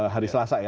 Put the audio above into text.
hari selasa ya